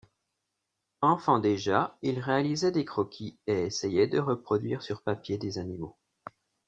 Enfant déjà, il réalisait des croquis et essayait de reproduire sur papier des animaux.